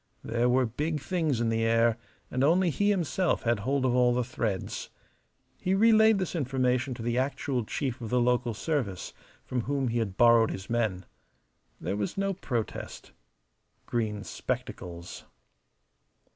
There were big things in the air, and only he himself had hold of all the threads. He relayed this information to the actual chief of the local service, from whom he had borrowed his men. There was no protest. Green spectacles.